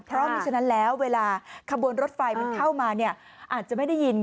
เพราะมีฉะนั้นแล้วเวลาขบวนรถไฟมันเข้ามาอาจจะไม่ได้ยิน